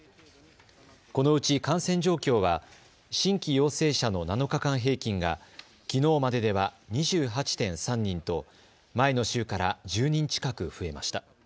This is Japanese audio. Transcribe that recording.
このうち感染状況は新規陽性者の７日間平均がきのうまででは２８．３人と前の週から１０人近く増えました。